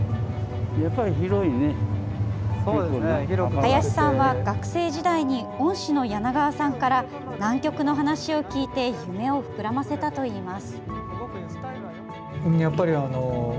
林さんは、学生時代に恩師の柳川さんから南極の話を聞いて夢を膨らませたといいます。